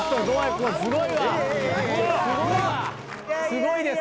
すごいわ。